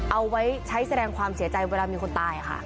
เอาไว้ใช้แสดงความเสียใจเวลามีคนตายค่ะ